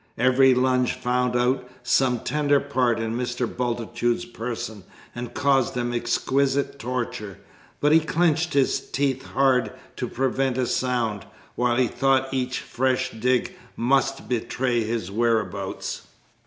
Every lunge found out some tender part in Mr. Bultitude's person and caused him exquisite torture; but he clenched his teeth hard to prevent a sound, while he thought each fresh dig must betray his whereabouts.